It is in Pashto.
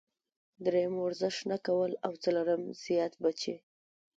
دريم ورزش نۀ کول او څلورم زيات بچي -